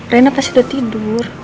rena pasti udah tidur